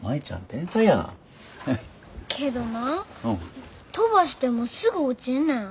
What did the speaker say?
飛ばしてもすぐ落ちんねん。